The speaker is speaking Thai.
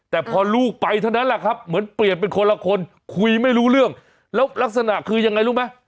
แต่พอลูกไปเท่านั้นแหละครับเหมือนเปลี่ยนเป็นคนละคนคุยไม่รู้เรื่องแล้วลักษณะคือยังไงรู้ไหม